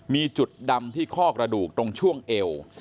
มีจุดดำที่ข้อกระดูกตรงช่วงเอว